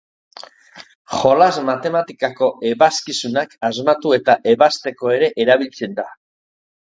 Jolas-matematikako ebazkizunak asmatu eta ebazteko ere erabiltzen da.